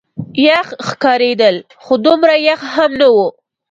یخ ښکارېدل، خو دومره یخ هم نه.